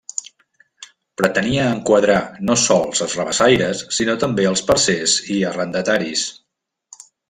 Pretenia enquadrar no sols els rabassaires sinó també els parcers i arrendataris.